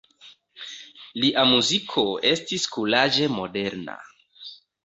Lia muziko estis kuraĝe moderna.